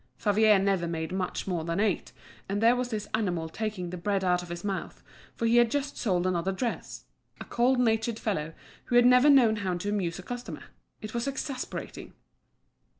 Favier never made much more than eight, and there was this animal taking the bread out of his mouth, for he had just sold another dress—a cold natured fellow who had never known how to amuse a customer! It was exasperating.